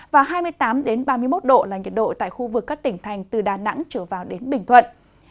và hai mươi tám ba mươi một độ là nhiệt độ tại khu vực các tỉnh thành từ đà nẵng trở vào đến bình thuận